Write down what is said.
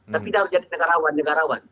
tapi dia harus jadi negarawan negarawan